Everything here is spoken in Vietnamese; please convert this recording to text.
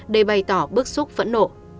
để bày tỏ bức xúc phẫn nộ